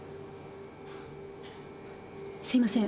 すいません。